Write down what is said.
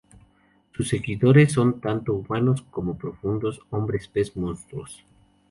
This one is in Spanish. Sus seguidores son tanto humanos como Profundos, hombres-pez monstruosos.